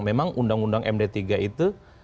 memang undang undang md tiga itu